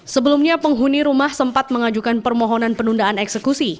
sebelumnya penghuni rumah sempat mengajukan permohonan penundaan eksekusi